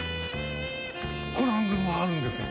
このアングルもあるんですが。